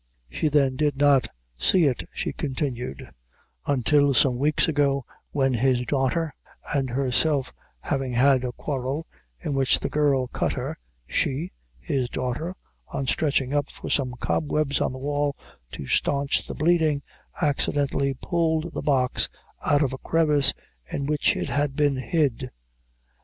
"She then did not see it," she continued, "until some weeks ago, when his daughter and herself having had a quarrel, in which the girl cut her she (his daughter) on stretching up for some cobwebs on the wall to stanch the bleeding, accidentally pulled the box out of a crevice, in which it had been hid.